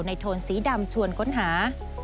โทนสีดำชวนค้นหา